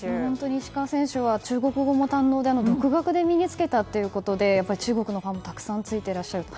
石川選手は中国語も堪能で独学で身につけたということで中国のファンもたくさんついていらっしゃると。